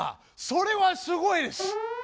それはすごいです！